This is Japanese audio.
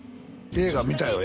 映画見たよ